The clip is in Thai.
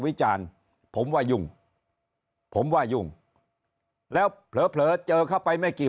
วิจารณ์ผมว่ายุ่งผมว่ายุ่งแล้วเผลอเจอเข้าไปไม่กี่